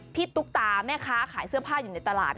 ตุ๊กตาแม่ค้าขายเสื้อผ้าอยู่ในตลาด